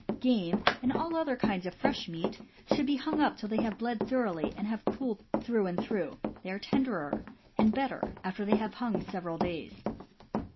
Game, and all other kinds of fresh meat, should be hung up till they have bled thoroughly and have cooled through and through — they are tenderer and better after they have hung several days.